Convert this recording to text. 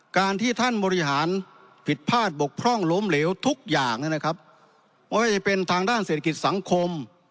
การที่ท่านบริหารผิดพลาดบกพร่องล้มเหลวทุกอย่างไม่ว่าจะเป็นทางด้านเศรษฐกิจสังคม